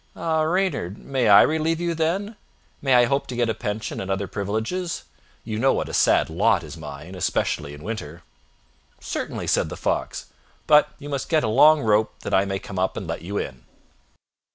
"Ah, Reynard, may I relieve you, then? May I hope to get a pension and other privileges? You know what a sad lot is mine, especially in winter." "Certainly," said the Fox; "but you must get a long rope, that I may come up and let you in.